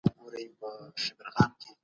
له زعفرانو څخه جوړ شوي توکي ګران دي.